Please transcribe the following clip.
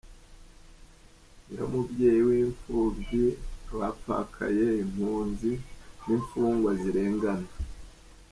Ni yo mubyeyi w’imfubyi, abapfakaye, impunzi, n’imfungwa zirengana.